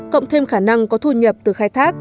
cộng thêm khả năng có thu nhập từ khai thác